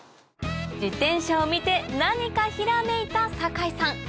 自転車を見て何かひらめいた酒井さん